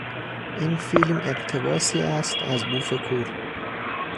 این فیلم اقتباسی است از بوف کور.